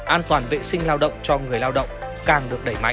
an toàn vệ sinh lao động cho người lao động